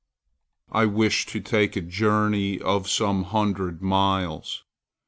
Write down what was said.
I wish to take a journey of some hundred miles.